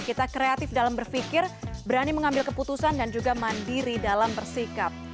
kita kreatif dalam berpikir berani mengambil keputusan dan juga mandiri dalam bersikap